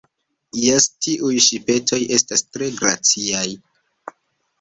Jes, tiuj ŝipetoj estas tre graciaj.